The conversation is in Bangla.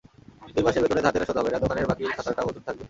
দুই মাসের বেতনে ধারদেনা শোধ হবে না, দোকানের বাকির খাতাও অটুট থাকবে।